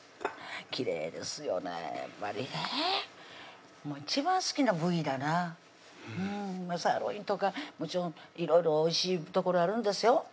やっぱりね一番好きな部位だなサーロインとかもちろんいろいろおいしい所あるんですよ